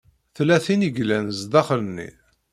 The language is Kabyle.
Tella tin i yellan zdaxel-nni.